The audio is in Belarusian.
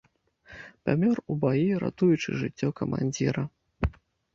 Памёр у баі, ратуючы жыццё камандзіра.